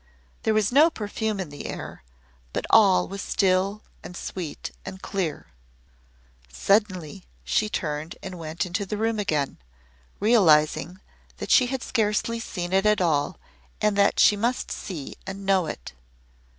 There was no perfume in the air, but all was still and sweet and clear. Suddenly she turned and went into the room again, realizing that she had scarcely seen it at all and that she must see and know it.